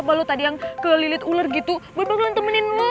kalau lilit ular gitu bener bener temenin lo